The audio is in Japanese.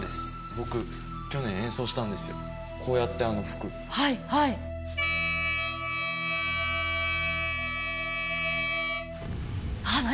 僕去年演奏したんですよこうやって吹くはいはいあっ何？